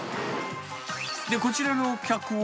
で、こちらの客は。